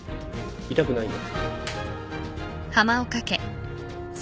痛くないよ。